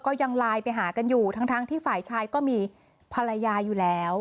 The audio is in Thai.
ก็ยังไลน์ไปหากันอยู่ทั้งที่ฝ่ายชายก็มีภรรยาอยู่แล้ว